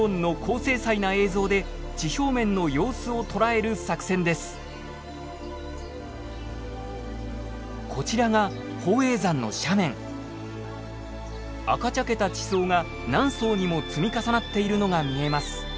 赤茶けた地層が何層にも積み重なっているのが見えます。